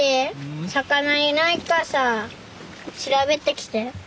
魚いないかさ調べてきて。